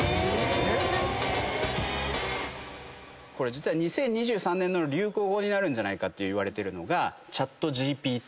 実は２０２３年の流行語になるんじゃないかっていわれてるのが。